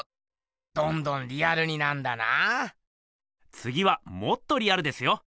つぎはもっとリアルですよ。